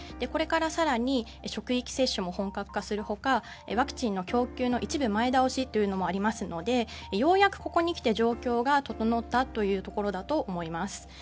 これから更に職域接種も本格化するほかワクチンの供給の一部前倒しというのもありますのでようやくここに来て状況が整ったところだと思います。